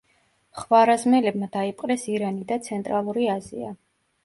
ხვარაზმელებმა დაიპყრეს ირანი და ცენტრალური აზია.